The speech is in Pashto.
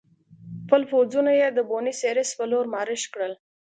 خپل پوځونه یې د بونیس ایرس په لور مارش کړل.